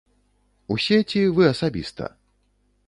Усе ці вы асабіста?